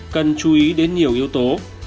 cần chú ý đến nhiều yếu tố